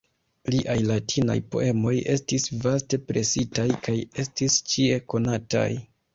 Liaj latinaj poemoj estis vaste presitaj kaj estis ĉie konataj.